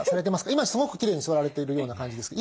今すごくきれいに座られているような感じですけど。